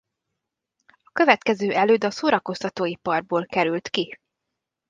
A következő előd a szórakoztatóiparból került ki.